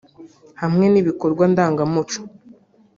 hamwe n’ibikorwa ndangamuco